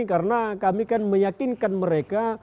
karena kami kan meyakinkan mereka